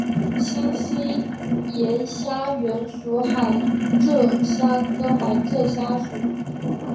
新西兰岩虾原属海螯虾科海螯虾属。